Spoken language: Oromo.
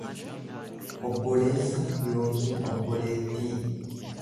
obboleessa yookiin obboleettii.